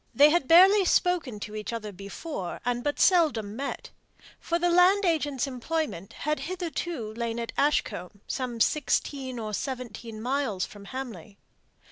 They had barely spoken to one another before, and but seldom met; for the land agent's employment had hitherto lain at Ashcombe, some sixteen or seventeen miles from Hamley.